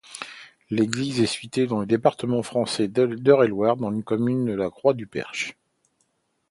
L'église est située dans le département français d'Eure-et-Loir, dans la commune de La Croix-du-Perche.